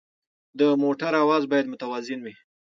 د موټر اواز باید متوازن وي.